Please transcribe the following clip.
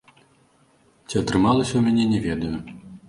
Ці атрымалася ў мяне, не ведаю.